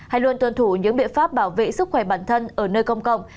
hay luôn tuân thủ những biện pháp bảo vệ sức khỏe bản thân ở nơi công cộng